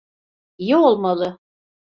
İyi olmalı.